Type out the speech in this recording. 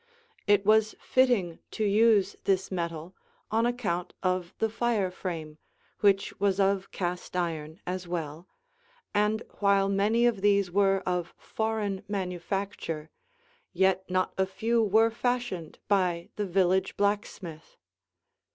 It was fitting to use this metal, on account of the fire frame, which was of cast iron as well, and while many of these were of foreign manufacture, yet not a few were fashioned by the village blacksmith.